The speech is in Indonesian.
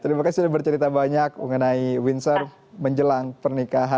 terima kasih sudah bercerita banyak mengenai windsor menjelang pernikahan